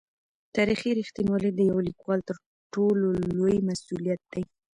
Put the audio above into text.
تاریخي رښتینولي د یو لیکوال تر ټولو لوی مسوولیت دی.